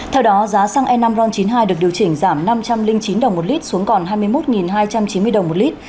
theo đó giá xăng e năm ron chín mươi hai được điều chỉnh giảm năm trăm linh chín đồng một lít xuống còn hai mươi một hai trăm chín mươi đồng một lít